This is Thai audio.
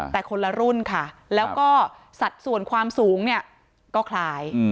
แต่คนละรุ่นค่ะแล้วก็สัดส่วนความสูงเนี่ยก็คล้าย